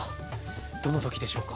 どの時でしょうか？